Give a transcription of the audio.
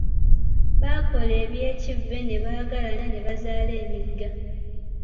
Baakola eby’ekivve ne baagalana ne bazaala emigga.